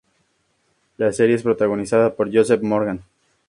La serie es protagonizada por Joseph Morgan.